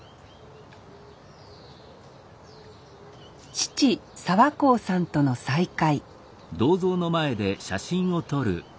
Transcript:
父澤幸さんとの再会